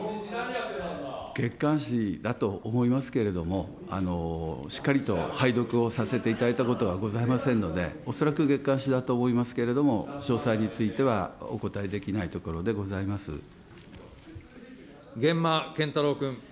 月刊誌だと思いますけれども、しっかりと拝読させていただいたことがございませんので、恐らく月刊誌だと思いますけれども、詳細についてはお答えできな源馬謙太郎君。